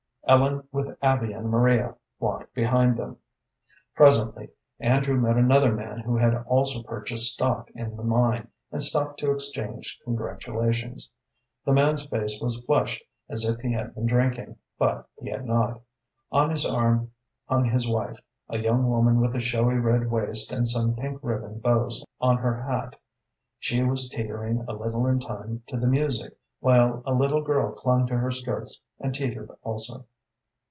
Ellen, with Abby and Maria, walked behind them. Presently Andrew met another man who had also purchased stock in the mine, and stopped to exchange congratulations. The man's face was flushed, as if he had been drinking, but he had not. On his arm hung his wife, a young woman with a showy red waist and some pink ribbon bows on her hat. She was teetering a little in time to the music, while a little girl clung to her skirts and teetered also.